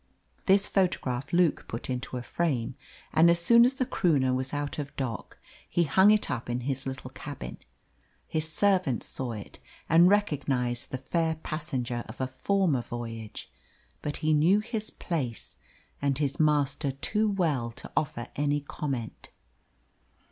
This photograph Luke put into a frame, and as soon as the Croonah was out of dock he hung it up in his little cabin. His servant saw it and recognised the fair passenger of a former voyage, but he knew his place and his master too well to offer any comment.